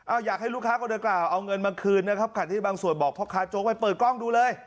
อยากให้ลูกค้าคนดังกล่าวเอาเงินมาคืนนะครับขัดที่บางส่วนบอกพ่อค้าโจ๊กไว้เปิดกล้องดูเลย